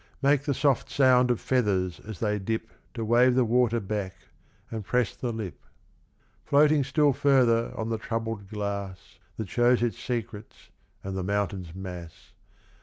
Make the soft sound of feathers as they dip To wave the water back and press the lip, 75 Et in Arcadia, Omnes. Floating still further on the troubled glass That shows its secrets, and the mountains' mass.